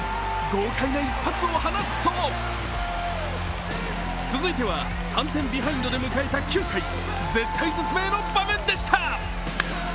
豪快な一発を放つと続いては、３点ビハインドで迎えた９回、絶体絶命の場面でした。